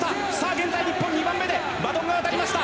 現在、日本は２番目でバトンが渡りました。